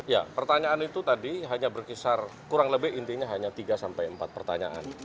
ya pertanyaan itu tadi hanya berkisar kurang lebih intinya hanya tiga sampai empat pertanyaan